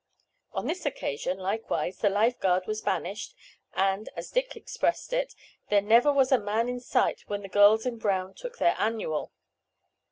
On this occasion, likewise, the life guard was banished, and, as Dick expressed it, "there never was a man in sight when the girls in brown took their annual."